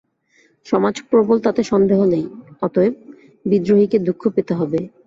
সমাজ প্রবল তাতে সন্দেহ নেই, অতএব বিদ্রোহীকে দুঃখ পেতে হবে।